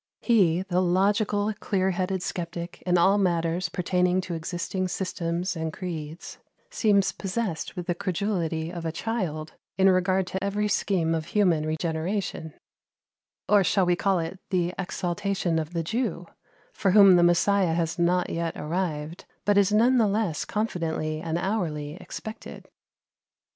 He, the logical clear headed sceptic in all matters pertaining to existing systems and creeds, seems possessed with the credulity of a child in regard to every scheme of human regeneration, or shall we call it the exaltation of the Jew, for whom the Messiah has not yet arrived, but is none the less confidently and hourly expected?